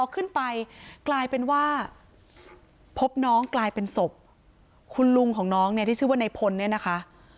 ขึ้นไปกลายเป็นว่าพบน้องกลายเป็นศพคุณลุงของน้องเนี่ยที่ชื่อว่าในพลเนี่ยนะคะ